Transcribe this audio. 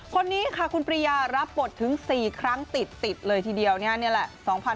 คนนี้ค่ะคุณปริยารับบทถึง๔ครั้งติดเลยทีเดียวนี่แหละ